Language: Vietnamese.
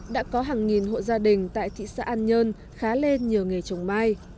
đã có hàng nghìn hộ gia đình tại thị xã an nhân khá lên nhiều nghề trồng mai